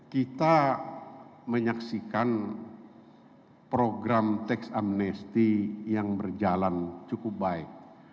kita menyaksikan program teks amnesti yang berjalan cukup baik